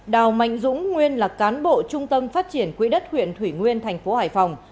đào mạnh dũng nguyên là cán bộ trung tâm phát triển quỹ đất huyện thủy nguyên tp hải phòng